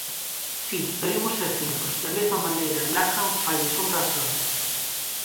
Si, pero imos ser cínicos: da mesma maneira Lacan faille sombra a Freud.